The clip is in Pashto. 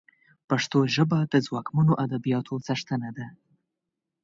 پښتو ژبه د ځواکمنو ادبياتو څښتنه ده